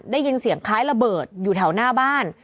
ได้ยินเสียงคล้ายระเบิดอยู่แถวหน้าบ้าน